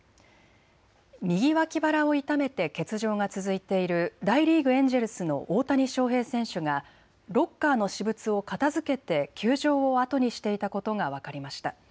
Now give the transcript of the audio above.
右脇腹を痛めて欠場が続いている大リーグ、エンジェルスの大谷翔平選手がロッカーの私物を片づけて球場を後にしていたことが分かりました。